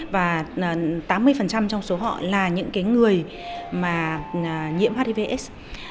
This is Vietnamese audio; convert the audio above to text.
và tám mươi trong số họ là những người nhiễm hiv aids